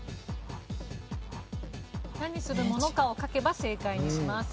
何するものかを書けば正解にします。